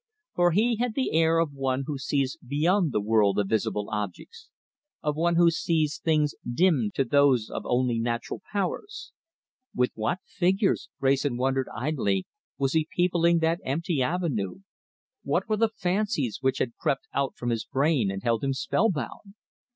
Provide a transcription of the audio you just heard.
For he had the air of one who sees beyond the world of visible objects, of one who sees things dimmed to those of only natural powers. With what figures, Wrayson wondered, idly, was he peopling that empty avenue, what were the fancies which had crept out from his brain and held him spellbound?